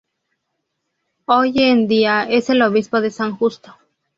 Hoy en día es el Obispo de San Justo.